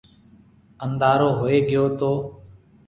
انڌارو ھوئي گيو تو۔